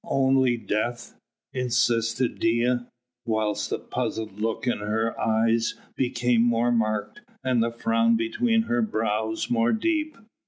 "Only death?" insisted Dea, whilst the puzzled look in her eyes became more marked, and the frown between her brows more deep.